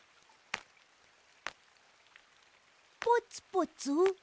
ポツポツ？